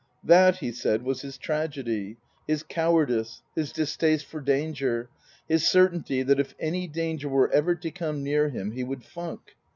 That, he said, was his tragedy. His cowardice his distaste for danger his certainty that if any danger were ever to come near him he would funk.